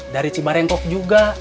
dari cibarengkok juga